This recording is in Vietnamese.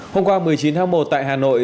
hôm qua một mươi chín tháng một tại hà nội